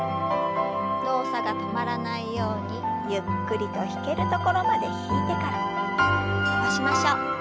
動作が止まらないようにゆっくりと引けるところまで引いてから伸ばしましょう。